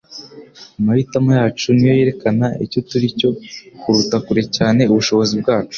Amahitamo yacu niyo yerekana icyo turi cyo, kuruta kure cyane ubushobozi bwacu.”